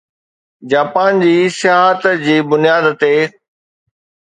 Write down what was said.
Japan جي سياحت جي بنياد تي